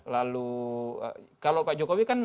lalu kalau pak jokowi kan